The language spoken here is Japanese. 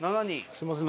すみません